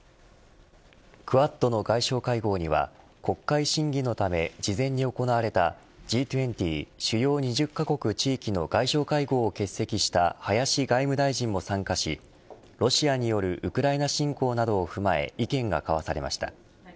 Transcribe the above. クアッドの外相会合には国会審議のため事前に行われたＧ２０主要２０カ国・地域の外相会合を欠席した林外務大臣も参加しロシアによるウクライナ侵攻などを踏まえ意見が交わされました。